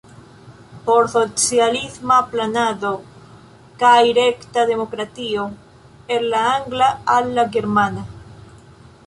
Por socialisma planado kaj rekta demokratio" el la angla al la germana.